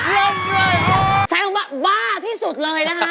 ใช้คำว่าว่าที่สุดเลยนะฮะ